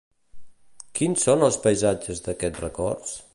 Quins són els paisatges d'aquests records?